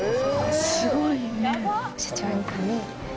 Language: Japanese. すごいよね。